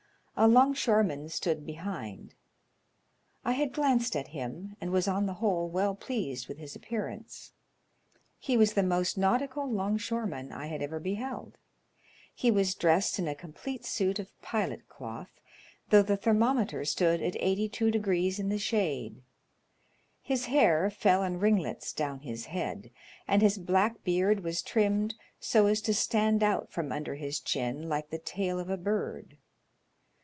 A 'longshoreman stood behind. I had glanced at him, and was on the whole well pleased with his appearance. He was the most nautical 'longshore man I had ever beheld. He was dressed in a complete suit of pilot cloth, though the thermometer stood at eighty two degrees in the shade. His hair fell in ringlets down his head, and his black beard was trimmed so as to stand out from undet his chin like the tail of a bird.